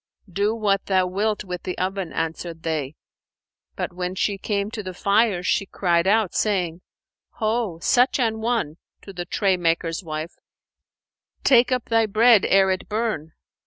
"Do what thou wilt with the oven," answered they; but, when she came to the fire, she cried out, saying, "Ho, such an one (to the tray maker's wife) take up thy bread ere it burn!"